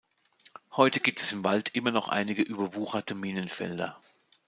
Heute gibt es im Wald immer noch einige überwucherte Minenfelder.